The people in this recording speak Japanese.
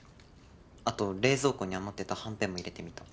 あと冷蔵庫に余ってたはんぺんも入れてみた。